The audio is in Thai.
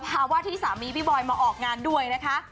ภาวะที่สามีพี่บอยมาออกงานด้วยนะคะ